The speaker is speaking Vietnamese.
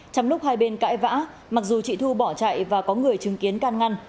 trong lúc hai bên cãi vã mặc dù chị thu bỏ chạy và có người chứng kiến can ngăn